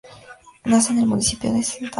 Nace en el municipio de Sta.